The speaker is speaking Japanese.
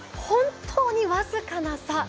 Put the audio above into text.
本当に、僅かな差。